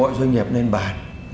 hội doanh nghiệp nên bàn